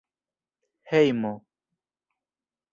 hejmo